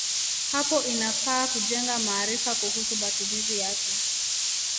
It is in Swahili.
Hapo inafaa kujenga maarifa kuhusu matumizi yake.